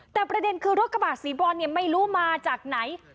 แต่ประเด็นคือรถกระบาดสีบรอนไม่รู้มาจากไหน